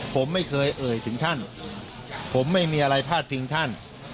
ผมไม่เคยเอ่ยถึงท่านผมไม่มีอะไรพาดพิงท่าน